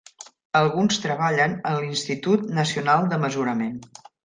Alguns treballen en el Institut Nacionals de Mesurament.